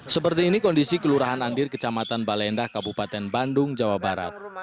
seperti ini kondisi kelurahan andir kecamatan balendah kabupaten bandung jawa barat